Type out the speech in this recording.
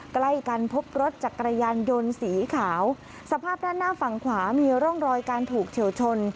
ใกล้กันพบรถจักรยานยนต์สีขาวสภาพด้านหน้าฝั่งขวามีร่องรอยการถูกเฉียวชน